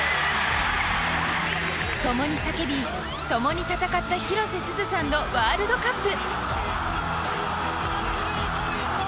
共に叫び、共に戦った広瀬すずさんのワールドカップ！